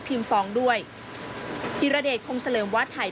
ประกอบกับต้นทุนหลักที่เพิ่มขึ้น